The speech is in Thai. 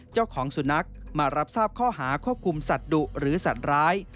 เจ้าของสุนัขมารับทราบข้อหาควบคุมสัตว์ดุหรือสัตว์ร้าย